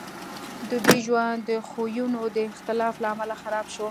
د دوی ژوند د خویونو د اختلاف له امله خراب شو